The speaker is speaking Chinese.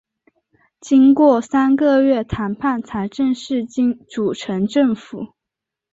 经过三个月谈判才正式组成政府。